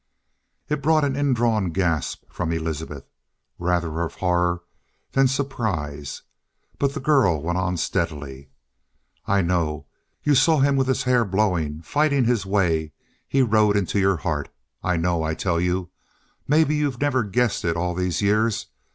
It brought an indrawn gasp from Elizabeth. Rather of horror than surprise. But the girl went on steadily: "I know. You saw him with his hair blowing, fighting his way he rode into your heart. I know, I tell you! Maybe you've never guessed it all these years.